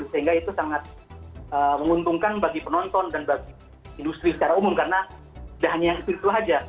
sehingga itu sangat menguntungkan bagi penonton dan bagi industri secara umum karena tidak hanya yang itu itu saja